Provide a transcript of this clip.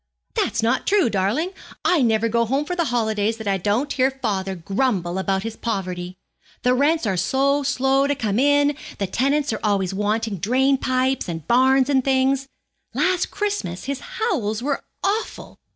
'That's not true, darling. I never go home for the holidays that I don't hear father grumble about his poverty. The rents are so slow to come in; the tenants are always wanting drain pipes and barns and things. Last Christmas his howls were awful.